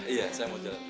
iya saya mau jalan